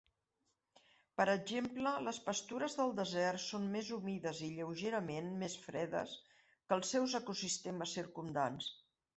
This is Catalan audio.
Per exemple, les pastures del desert són més humides i lleugerament més fredes que els seus ecosistemes circumdants.